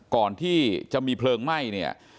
ก่อนที่จะมีเพลิงไหม้เนี่ย